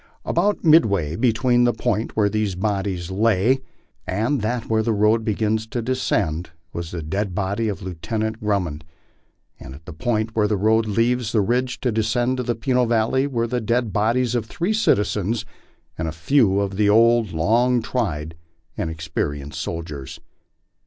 About midway between the point where these bodies lay and that where the road begins to descend was the dead body of Lieutenant Grummond; and at the point where the road leaves the tidge to descend to the Peno valley were the dead bodies of three citizens and a few of the old, long tried, and experienced soldiers.